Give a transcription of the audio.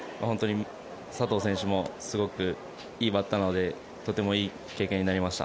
佐藤選手もすごくいいバッターなのでとてもいい経験になりました。